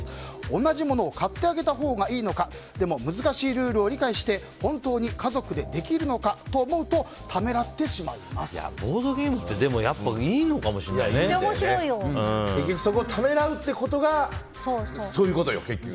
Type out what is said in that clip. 同じものを買ってあげたほうがいいのかでも難しいルールを理解して本当に家族でできるのかと思うとボードゲームって始まりましたＯｎｅＤｉｓｈ。